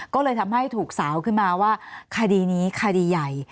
ก็เลยทำให้ถูกสาวขึ้นมาว่าคดีนี้คดีใหญ่